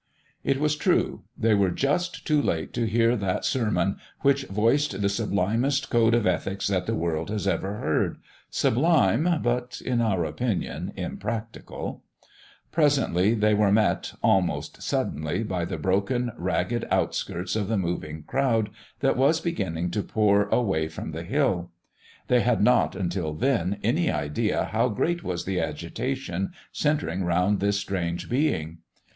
It was true; they were just too late to hear that sermon which voiced the sublimest code of ethics the world has ever heard sublime, but, in our opinion, impracticable. Presently they were met, almost suddenly, by the broken, ragged outskirts of the moving crowd that was beginning to pour away from the hill. They had not, until then, any idea how great was the agitation centring around this strange being.